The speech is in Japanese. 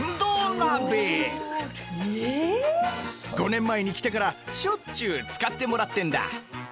５年前に来てからしょっちゅう使ってもらってんだ。